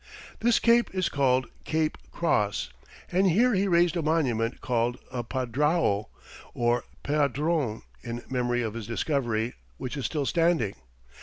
This cape is called Cape Cross, and here he raised a monument called a padrao or padron in memory of his discovery, which is still standing.